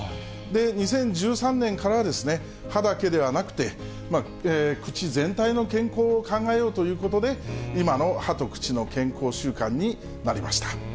２０１３年からは、歯だけではなくて、口全体の健康を考えようということで、今の歯と口の健康週間になりました。